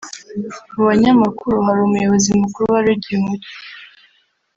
Mu banyamakuru hari umuyobozi mukuru wa Radio Umucyo